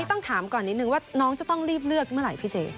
ต้องถามก่อนนิดนึงว่าน้องจะต้องรีบเลือกเมื่อไหร่พี่เจ๊